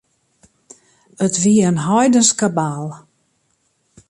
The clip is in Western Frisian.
It wie in heidensk kabaal.